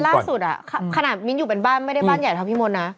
ล่าสุดขนาดมิ้นอยู่เป็นบ้านไม่ได้บ้านใหญ่เท่าพี่มนต์นะ